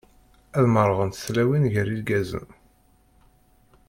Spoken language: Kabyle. Ad merrɣent tlawin gar yirgazen.